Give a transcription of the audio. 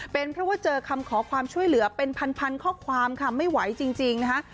เป็นเพราะว่าเจอคำขอความช่วยเหลือเป็นพันข้อความค่ะไม่ไหวจริงนะคะ